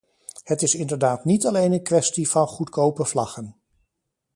Het is inderdaad niet alleen een kwestie van goedkope vlaggen.